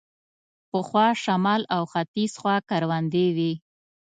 پخوا شمال او ختیځ خوا کروندې وې.